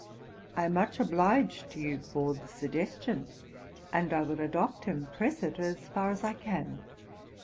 I am much obliged to you for the suggestion; and I will adopt and press it as far as I can.